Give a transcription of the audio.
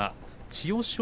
千代翔